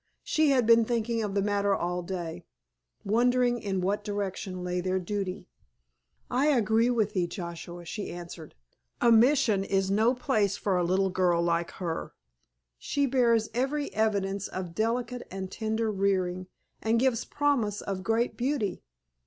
She had been thinking of the matter all day, wondering in what direction lay their duty. "I agree with thee, Joshua," she answered. "A Mission is no place for a little girl like her. She bears every evidence of delicate and tender rearing, and gives promise of great beauty.